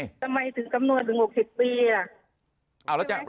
ทำไมถึงกำนวนถึง๖๐ปี